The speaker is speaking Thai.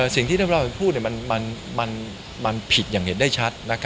สิ่งที่ท่านรองพูดมันผิดอย่างเห็นได้ชัด